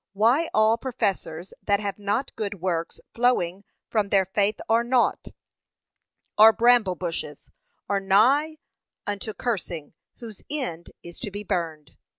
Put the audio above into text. why all professors that have not good works flowing from their faith are naught; are bramble bushes; are 'nigh unto cursing, whose end is to be burned.'